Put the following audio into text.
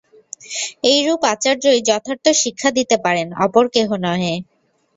এইরূপ আচার্যই যথার্থ শিক্ষা দিতে পারেন, অপর কেহ নহে।